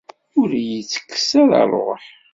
Ur iyi-ttekkes ara ṛṛuḥ.